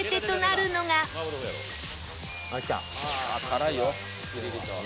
辛いよ。